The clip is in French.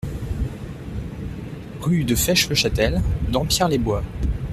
Rue de Fesches-le-Chatel, Dampierre-les-Bois